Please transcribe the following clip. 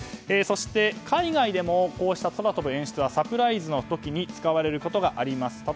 そして、海外でもこうした空飛ぶ演出はサプライズとして使われることがあります。